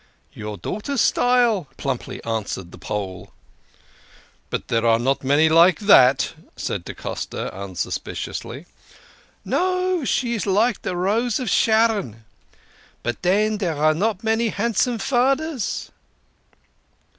"Your daughter's style," plumply answered the Pole. " But there are not many like that," said da Costa unsus piciously. "No she is like de Rose of Sharon. But den dere are not many handsome faders."